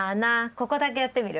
ここだけやってみる？